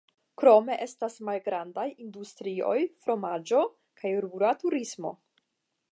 Krome estas malgrandaj industrioj (fromaĝo) kaj rura turismo.